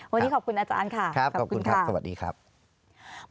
วันนี้ขอบคุณอาจารย์ค่ะขอบคุณครับสวัสดีครับ